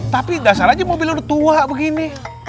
tapi dasar aja mobilnya udah tua begini